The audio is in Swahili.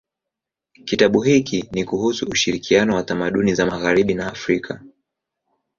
Kitabu hiki ni kuhusu ushirikiano wa tamaduni za magharibi na Afrika.